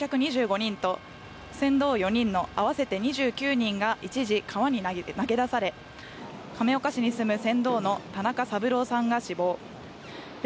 この事故で乗客２５人と、船頭４人のあわせて２９人が一時川に投げ出され、亀岡市に住む船頭の田中三郎さんが死亡。